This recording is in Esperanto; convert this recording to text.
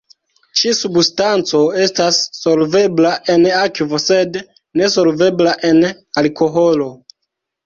Ĉi-substanco estas solvebla en akvo sed nesolvebla en alkoholo.